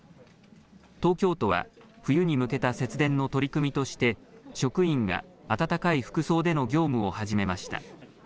東京都は冬に向けた節電の取り組みとして職員が暖かい服装での業務を始めました。